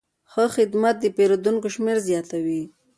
ښه خدمت د پیرودونکو شمېر زیاتوي.